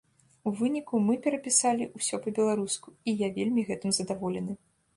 У выніку, мы перапісалі ўсё па-беларуску, і я вельмі гэтым задаволены.